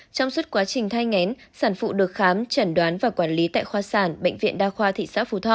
trong suốt quá trình thay ngén sản phụ được khám chẩn đoán và quản lý tại khoa sản bệnh viện đa khoa thị xã phú thọ